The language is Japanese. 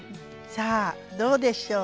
さあどうでしょう？